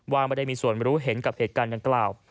ว่าไม่ได้มีส่วนรู้เห็นกับเหตุการณ์ดังกล่าว